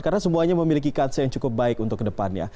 karena semuanya memiliki kanser yang cukup baik untuk ke depannya